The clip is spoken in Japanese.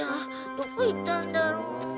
どこ行ったんだろう？